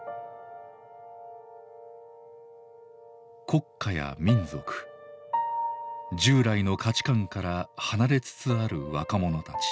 国家や民族従来の価値観から離れつつある若者たち。